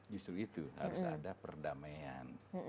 justru itu harus ada perdamaian